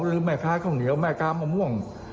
หรือแม่ค้าข้าวเหนียวแม่ค้ามะม่วง